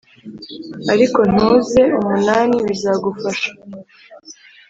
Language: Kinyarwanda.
Ariko ntuze umunani bizagufasha